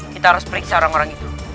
kita harus periksa orang orang itu